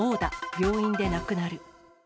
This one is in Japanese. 病院で亡くなる。